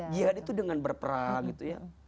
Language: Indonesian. jihad itu dengan berperang gitu ya